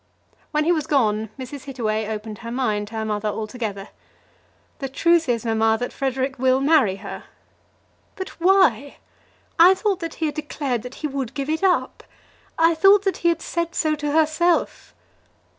When he was gone, Mrs. Hittaway opened her mind to her mother altogether. "The truth is, mamma, that Frederic will marry her." "But why? I thought that he had declared that he would give it up. I thought that he had said so to herself."